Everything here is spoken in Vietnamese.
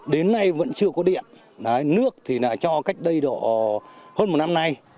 đến nay vẫn chưa có điện nước thì là cho cách đây độ hơn một năm nay